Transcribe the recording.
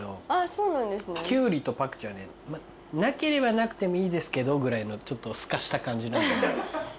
あぁそうなんですね。キュウリとパクチーはねなければなくてもいいですけどぐらいのちょっとすかした感じなの。